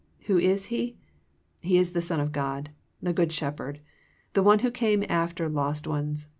Who is He ? He is the Son, the good Shepherd. The One who came after lost ones.